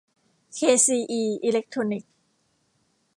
เคซีอี อีเลคโทรนิคส์